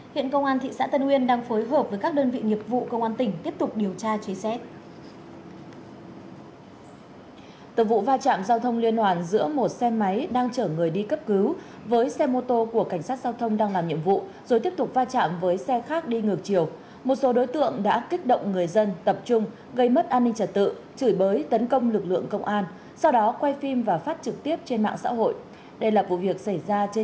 hiện công an thị xã tân uyên đang phối hợp với các đơn vị nhiệm vụ công an tỉnh tiếp tục điều tra chế xét